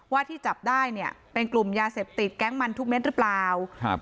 ที่จับได้เนี่ยเป็นกลุ่มยาเสพติดแก๊งมันทุกเม็ดหรือเปล่าครับ